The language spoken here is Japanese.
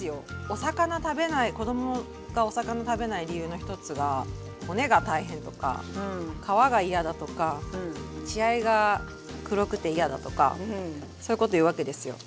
お魚食べない子供がお魚食べない理由の一つが骨が大変とか皮が嫌だとか血合いが黒くて嫌だとかそういうこと言うわけですよ。